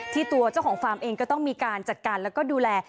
ตัวเจ้าของฟาร์มเองก็ต้องมีการจัดการแล้วก็ดูแล